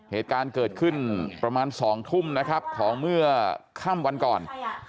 เหตุการณ์เกิดขึ้นประมาณ๒ทุ่มนะครับของเมื่อค่ำวันก่อน